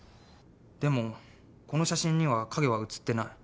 でもこの写真には影は写ってない。